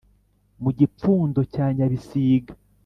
mu gipfundo cya nyabisiga